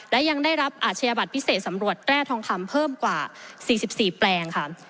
และยังได้รับอาชญาบัตรพิเศษสำรวจแร่ทองคำเพิ่มกว่า๔๔แปลงค่ะ